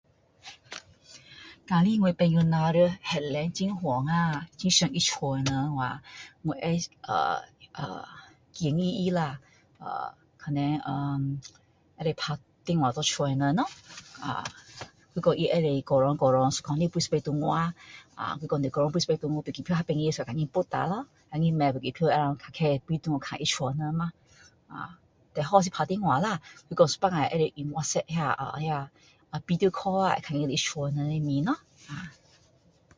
如果我的朋友若在外面很远啊很想他家里的人的话我会呃…呃…建议他啦呃…可能呃…可以打电话给家里人咯啊他可以久久久久一个月飞一次回去啊呃还是说多久了飞机票较便宜时赶紧book了咯然后他可以买飞机票较快飞回去看他家人咯啊最好是打电话啦是说有时候可以用WhatsApp那个那个video call啊看见他家人的脸咯啊